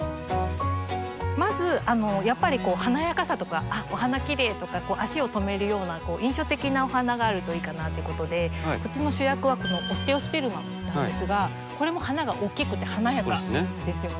まずやっぱり華やかさとかあっお花きれいとか足を止めるような印象的なお花があるといいかなってことでこっちの主役はこのオステオスペルマムなんですがこれも花が大きくて華やかですよね。